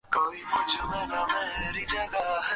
প্রথমে মনোহরের স্ত্রীর মৃত্যু হইল।